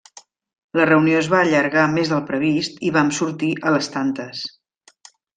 La reunió es va allargar més del previst i vam sortir a les tantes.